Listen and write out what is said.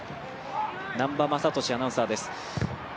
南波雅俊アナウンサーです。